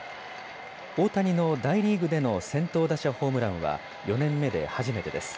大谷の大リーグでの先頭打者ホームランは４年目で初めてです。